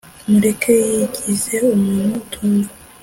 mureke yigize umuntu utumva